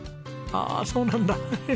ああそうなんだ。